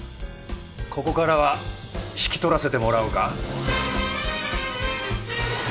ここからは引き取らせてもらおうか。